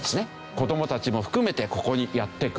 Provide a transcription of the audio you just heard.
子どもたちも含めてここにやって来るわけです。